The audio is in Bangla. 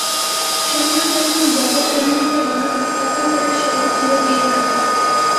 সৈন্যরা যখন বদর অভিমুখে রওনা হয় তখন তাদের সংখ্যা ছিল দেড় হাজার।